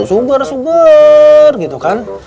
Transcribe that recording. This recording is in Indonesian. subur subur gitu kan